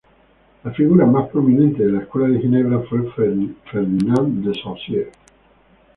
La figura más prominente de la Escuela de Ginebra fue Ferdinand de Saussure.